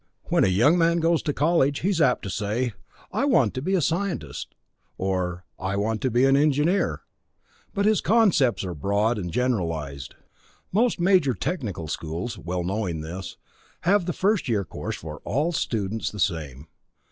When a young man goes to college, he is apt to say, "I want to be a scientist," or "I want to be an engineer," but his concepts are broad and generalized. Most major technical schools, well knowing this, have the first year course for all students the same.